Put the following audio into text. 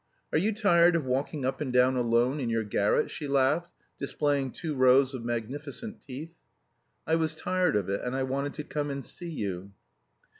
"Are you tired of walking up and down alone in your garret?" she laughed, displaying two rows of magnificent teeth. "I was tired of it, and I wanted to come and see you."